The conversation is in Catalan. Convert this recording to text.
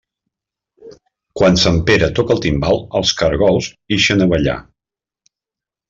Quan sant Pere toca el timbal, els caragols ixen a ballar.